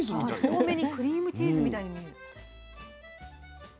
遠目にクリームチーズみたいに見える。